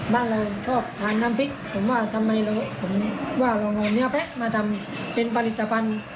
บ้านเราชอบทานน้ำพริกผมว่าทำไมผมว่าเราเอาเนื้อแพะมาทำเป็นผลิตภัณฑ์